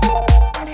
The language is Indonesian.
kau mau kemana